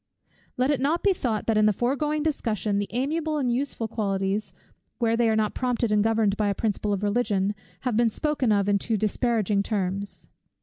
Let it not be thought that in the foregoing discussion, the amiable and useful qualities, where they are not prompted and governed by a principle of religion, have been spoken of in too disparaging terms.